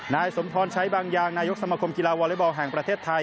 นายสมพรใช้บางอย่างนายกสมคมกีฬาวอเล็กบอลแห่งประเทศไทย